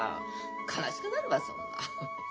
悲しくなるわそんな。